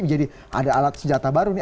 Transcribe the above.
jadi ada alat senjata baru ini